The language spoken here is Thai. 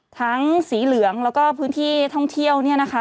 สีเหลืองแล้วก็พื้นที่ท่องเที่ยวเนี่ยนะคะ